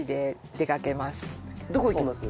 どこ行きます？